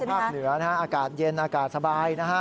เหนือนะฮะอากาศเย็นอากาศสบายนะฮะ